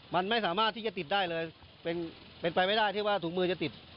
มันไม่สามารถที่จะติดได้เลยเป็นไปไม่ได้ที่ว่าถุงมือจะติด